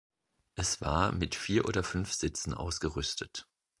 Es war mit vier oder fünf Sitzen ausgerüstet.